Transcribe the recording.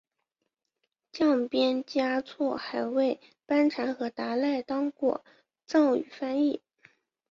降边嘉措还为班禅和达赖当过藏语翻译。